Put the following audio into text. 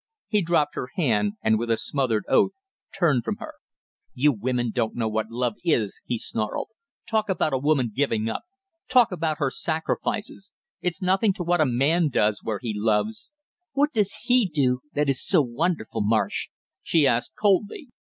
He dropped her hand and with a smothered oath turned from her. "You women don't know what love is!" he snarled. "Talk about a woman giving up; talk about her sacrifices it's nothing to what a man does, where he loves!" "What does he do that is so wonderful, Marsh?" she asked coldly.